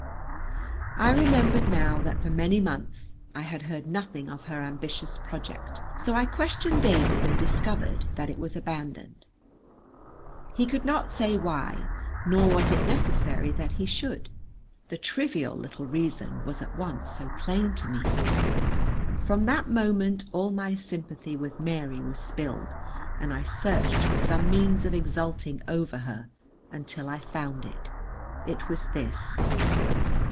I remembered now that for many months I had heard nothing of her ambitious project, so I questioned David and discovered that it was abandoned. He could not say why, nor was it necessary that he should, the trivial little reason was at once so plain to me. From that moment all my sympathy with Mary was spilled, and I searched for some means of exulting over her until I found it. It was this.